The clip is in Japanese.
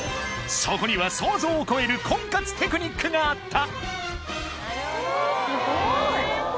そこには想像を超える婚活テクニックがあった！